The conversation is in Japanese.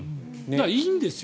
いいんですよ